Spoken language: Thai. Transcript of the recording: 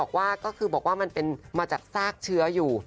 บอกว่าก็คือบอกว่ามันเป็นมาจากซากเชื้ออยู่